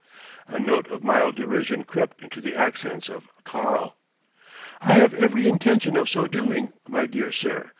A note of mild derision crept into the accents of "Karl." "I have every intention of so doing, my dear sir....